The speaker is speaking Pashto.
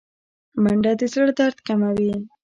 منډه د زړه درد کموي